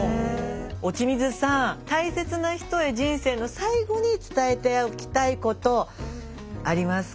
落水さん大切な人へ人生の最期に伝えておきたいことありますか？